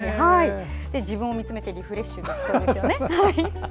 そして自分を見つめてリフレッシュできそうですよね。